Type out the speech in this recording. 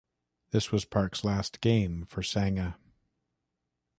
This was Park's last game for Sanga.